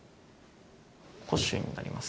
古酒になります。